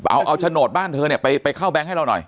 เอาโฉนดบ้านเธอเนี่ยไปเข้าแบงค์ให้เราหน่อย